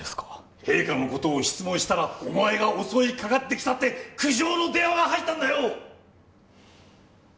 陛下のことを質問したらお前が襲いかかってきたって苦情の電話が入ったんだよ